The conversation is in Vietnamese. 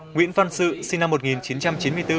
nguyễn văn sự sinh năm một nghìn chín trăm chín mươi bốn